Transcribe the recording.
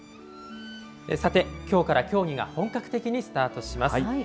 さてきょうから競技が本格的にスタートします。